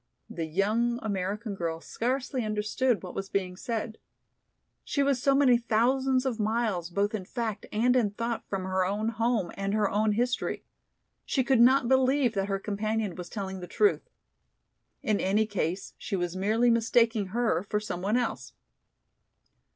The young American girl scarcely understood what was being said. She was so many thousands of miles both in fact and in thought from her own home and her own history. She could not believe that her companion was telling the truth. In any case she was merely mistaking her for some one else.